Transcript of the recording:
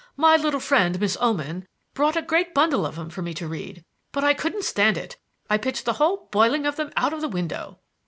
My little friend, Miss Oman, brought a great bundle of 'em for me to read, but I couldn't stand it; I pitched the whole boiling of 'em out of the window."